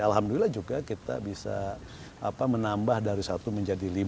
alhamdulillah juga kita bisa menambah dari satu menjadi lima